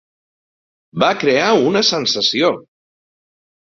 Va crear una sensació!